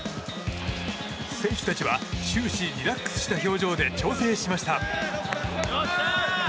選手たちは終始リラックスした表情で調整しました。